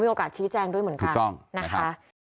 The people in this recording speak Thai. มีโอกาสชี้แจ้งด้วยเหมือนกัน